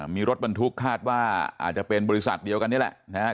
มีรถบรรทุกคาดว่าอาจจะเป็นบริษัทเดียวกันนี่แหละนะครับ